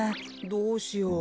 どうしよう。